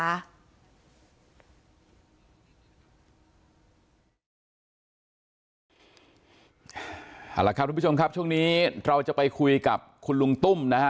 เอาละครับทุกผู้ชมครับช่วงนี้เราจะไปคุยกับคุณลุงตุ้มนะฮะ